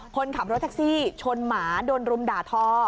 คนขับรถแท็กซี่ชนหมาโดนรุมด่าทอ